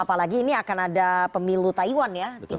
apalagi ini akan ada pemilu taiwan ya